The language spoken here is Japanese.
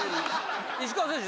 石川選手